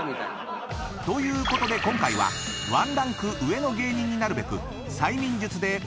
［ということで今回はワンランク上の芸人になるべく］